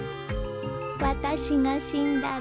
私が死んだら。